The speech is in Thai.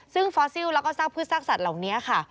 ซึ่งฟอสซิลแล้วก็ซากพืชซากสัตว์เหล่านี้ค่ะ